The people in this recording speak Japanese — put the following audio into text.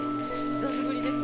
久しぶりです。